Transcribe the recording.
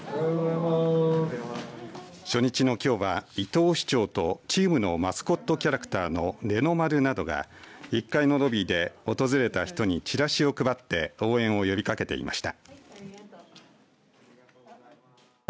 初日のきょうは伊藤市長とチームのマスコットキャラクターのレノ丸などが１階のロビーで訪れた人にチラシを配って応援を呼びかけていました。